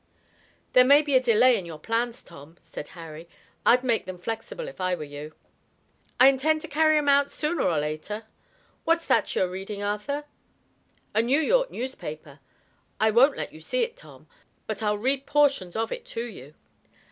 "There may be a delay in your plans, Tom," said Harry. "I'd make them flexible if I were you." "I intend to carry 'em out sooner or later. What's that you're reading, Arthur?" "A New York newspaper. I won't let you see it, Tom, but I'll read portions of it to you.